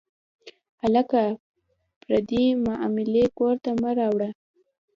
هلکه، پردۍ معاملې کور ته مه راوړه.